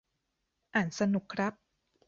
อ่านสนุกครับ